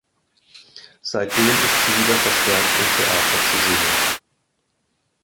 Seitdem ist sie wieder verstärkt im Theater zu sehen.